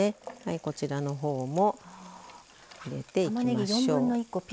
こちらのほうも入れていきましょう。